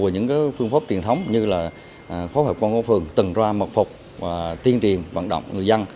những phương pháp truyền thống như phóng hợp quân quốc phường từng ra mật phục và tiên triển vận động người dân